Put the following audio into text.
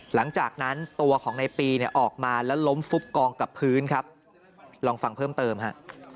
หลังจากนั้นตัวของในปีเนี่ยออกมาแล้วล้มฟุบกองกับพื้นครับลองฟังเพิ่มเติมฮะ